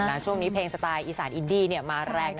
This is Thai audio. อ่าช่วงนี้เพลงสไตล์อีสานอีนดี้เนี่ยมาแรงนะฮะ